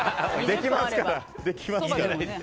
できますから。